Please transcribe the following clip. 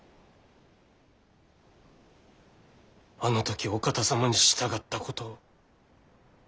あの時お方様に従ったことを。